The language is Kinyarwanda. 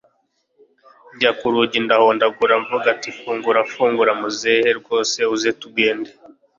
njya kurugi ndahondagura mvuga nti fungura fungura muzehe rwose uze tugende